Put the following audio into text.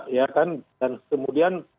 ya kan dan kemudian